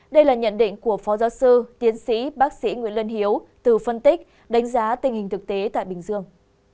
đây là nhận định của phó giáo sư tiến sĩ bác sĩ nguyễn lân hiếu từ phân tích đánh giá tình hình thực tế tại bình dương